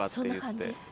そんな感じ？